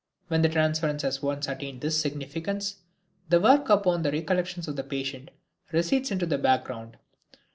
When the transference has once attained this significance the work upon the recollections of the patient recedes into the background.